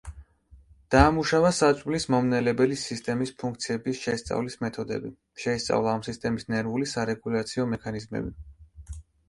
დაამუშავა საჭმლის მომნელებელი სისტემის ფუნქციების შესწავლის მეთოდები, შეისწავლა ამ სისტემის ნერვული სარეგულაციო მექანიზმები.